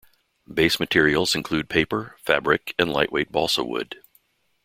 Base materials include paper, fabric, and lightweight balsa wood.